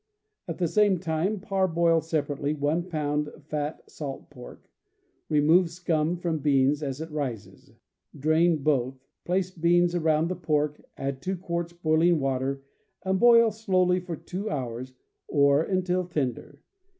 At the same time parboil separately one pound fat salt pork. Remove scum from beans as it rises. Drain both; place beans around the pork, add two quarts boiling water, and boil slowly for two hours, or until tender.